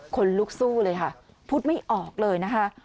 คนลุกสู้เลยค่ะพูดไม่ออกเลยนะคะ